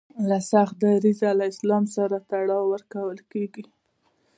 له سخت دریځه اسلام سره تړاو ورکول کیږي